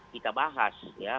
kita bahas ya